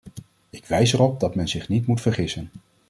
Ik wijs erop dat men zich niet moet vergissen.